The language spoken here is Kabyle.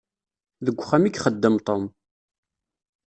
Deg uxxam i ixeddem Tom.